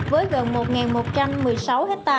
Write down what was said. với gần một một trăm một mươi sáu ha